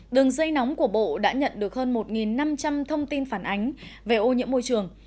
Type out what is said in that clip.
đường dây nóng của bộ đã nhận được hơn một năm trăm linh thông tin phản ánh về ô nhiễm môi trường